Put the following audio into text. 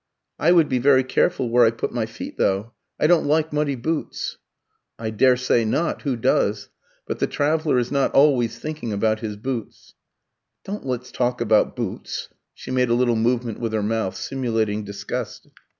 "I would be very careful where I put my feet, though. I don't like muddy boots." "I daresay not; who does? But the traveller is not always thinking about his boots." "Don't let's talk about boots." She made a little movement with her mouth, simulating disgust.